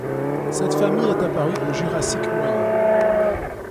Cette famille est apparue au Jurassique moyen.